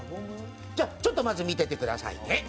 ちょっとまず見ててくださいね。